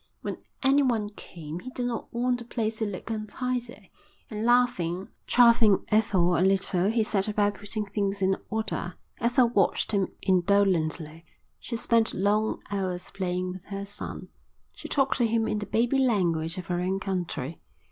When anyone came he did not want the place to look untidy; and, laughing, chaffing Ethel a little, he set about putting things in order. Ethel watched him indolently. She spent long hours playing with her son. She talked to him in the baby language of her own country.